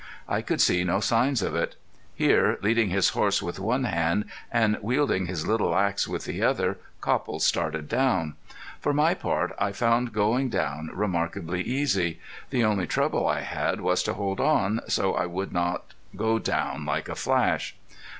I could see no signs of it. Here leading his horse with one hand and wielding his little axe with the other Copple started down. For my part I found going down remarkably easy. The only trouble I had was to hold on, so I would not go down like a flash.